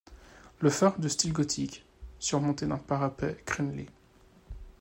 Le phare est de style gothique, surmonté d'un parapet crénelé.